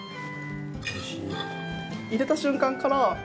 入れた瞬間からすごい。